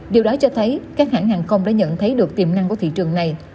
điều đó cho thấy các hãng hàng không đã nhận thấy được tiềm năng của thị trường này